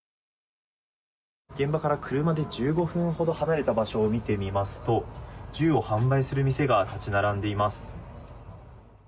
現場から車で１５分ほど離れた場所を見てみますと銃を販売する店が立ち並んでいます。